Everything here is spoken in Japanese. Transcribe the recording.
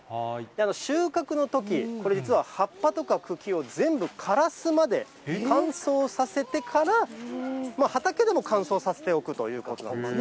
収穫のとき、これ実は、葉っぱとか茎を全部枯らすまで乾燥させてから、畑でも乾燥させておくということなんですね。